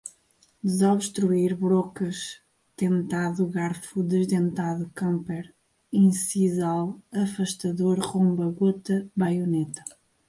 desobstruir, brocas, dentado, garfo, desdentado, camper, incisal, afastador, romba, gota, baioneta